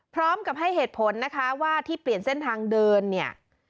พร้อมกับให้เหตุผลนะคะว่าที่เปลี่ยนเส้นทางเดินเนี่ย